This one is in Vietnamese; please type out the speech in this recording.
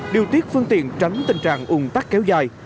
chiếc phương tiện tránh tình trạng ung tắc kéo dài